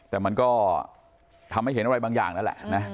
แต่มันก็ทำให้เห็นอะไรบางอย่างนั่นแหละนะ